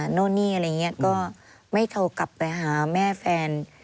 โน่นนี่อะไรอย่างนี้ก็ไม่โทรกลับไปหาแม่แฟน